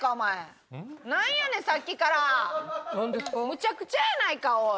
むちゃくちゃやないかおい！